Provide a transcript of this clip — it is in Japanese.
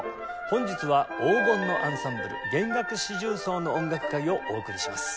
本日は「黄金のアンサンブル！弦楽四重奏の音楽会」をお送りします。